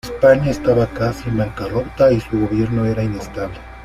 España estaba casi en bancarrota y su gobierno era inestable.